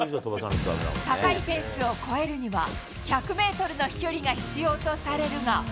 高いフェンスを越えるには、１００メートルの飛距離が必要とされるが。